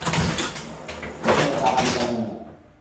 আসলে, এটা আমার ডিপার্টমেন্ট নই।